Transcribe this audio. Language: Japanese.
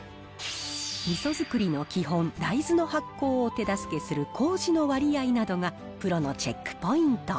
みそ作りの基本、大豆の発酵を手助けするこうじの割合などがプロのチェックポイント。